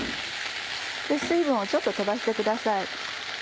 水分をちょっと飛ばしてください。